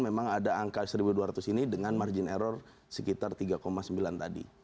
memang ada angka satu dua ratus ini dengan margin error sekitar tiga sembilan tadi